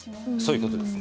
そういうことです。